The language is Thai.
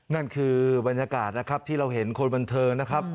นั่นคือบรรยากาศนะครับที่เราเห็นคนบันเทิงนะครับ